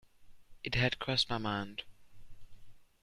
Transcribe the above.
It had crossed my mind.